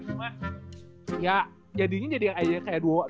cuma ya jadinya kayak dua kubu gitu kasian loh ini